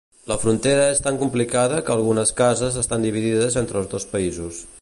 La frontera és tan complicada que algunes cases estan dividides entre els dos països.